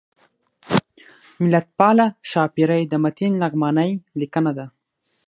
ملتپاله ښاپیرۍ د متین لغمانی لیکنه ده